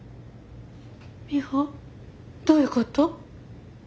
ミホどういうこと？